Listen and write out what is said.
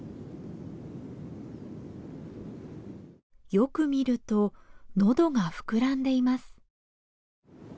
よく見るとのどが膨らんでいます。